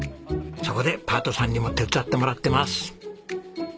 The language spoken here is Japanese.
そこでパートさんにも手伝ってもらってます。